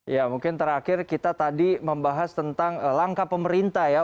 ya mungkin terakhir kita tadi membahas tentang langkah pemerintah ya